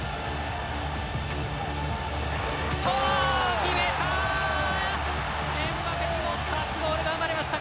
決めた！